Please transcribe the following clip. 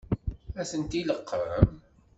Ad tent-ileqqem?